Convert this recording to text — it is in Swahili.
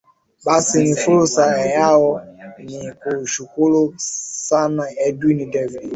basi ni fursa yao nikushukuru sana edwin david